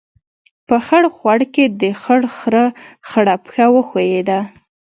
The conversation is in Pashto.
په خړ خوړ کې، د خړ خرهٔ خړه پښه وښیوده.